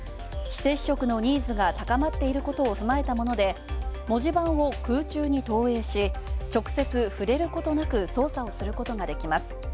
非接触のニーズが高まっていることを踏まえたうえで文字盤を空中に投影し、直接触れることなく操作をすることができます。